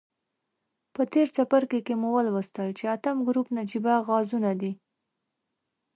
په تیر څپرکي کې مو ولوستل چې اتم ګروپ نجیبه غازونه دي.